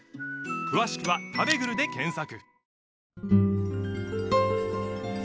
詳しくは「たべぐる」で検索